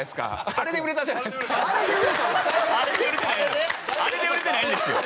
あれで売れてないんですよ。